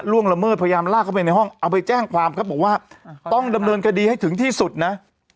ละเมิดพยายามลากเข้าไปในห้องเอาไปแจ้งความครับบอกว่าต้องดำเนินคดีให้ถึงที่สุดนะ